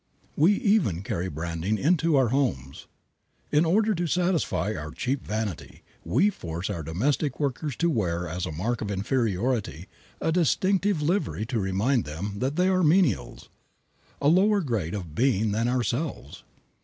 We even carry our branding into our homes. In order to satisfy our cheap vanity, we force our domestic workers to wear as a mark of inferiority, a distinctive livery to remind them that they are menials, a lower grade of being than ourselves.